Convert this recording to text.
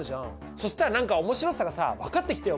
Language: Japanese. そしたら何か面白さがさ分かってきたよ